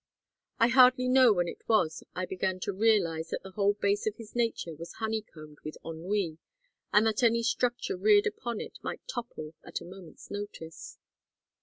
I hardly know when it was I began to realize that the whole base of his nature was honeycombed with ennui, and that any structure reared upon it might topple at a moment's notice.